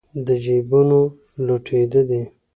د جېبونو لوټېده دي